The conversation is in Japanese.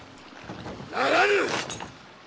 ならぬ！